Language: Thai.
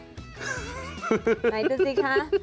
ไหนดูสิคะ